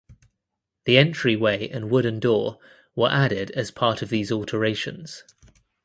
The entry way and wooden door were added as part of these alterations.